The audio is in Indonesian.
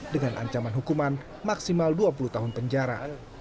dengan ancaman hukuman maksimal dua puluh tahun penjara